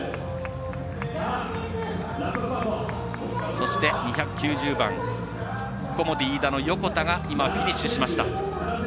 そして、２９０番コモディイイダの横田が今、フィニッシュしました。